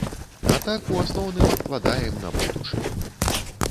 А так, у асноўным, адкладаем, на будучыню.